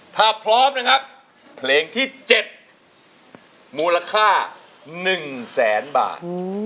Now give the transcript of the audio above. ถ้าพร้อมนะครับเพลงที่เจ็ดมูลค่าหนึ่งแสนบาท